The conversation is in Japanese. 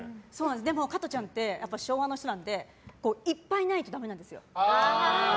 でも、加トちゃんって昭和の人なんでいっぱいないとダメなんです。